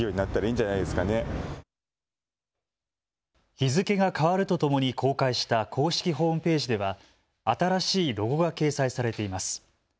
日付が変わるとともに公開した公式ホームページでは新しいロゴが掲載されています。